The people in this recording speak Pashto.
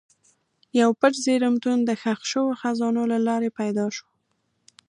یو پټ زېرمتون د ښخ شوو خزانو له لارې پیدا شو.